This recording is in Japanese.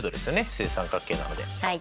正三角形なので。